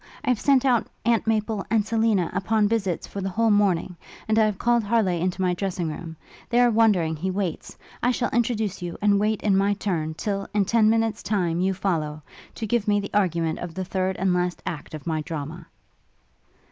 I have sent out Aunt Maple, and Selina, upon visits for the whole morning; and I have called Harleigh into my dressing room. There, wondering, he waits; I shall introduce you, and wait, in my turn, till, in ten minutes' time, you follow, to give me the argument of the third and last act of my drama.'